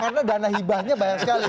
karena dana hibahnya banyak sekali